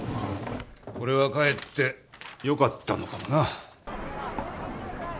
これはかえってよかったのかもな。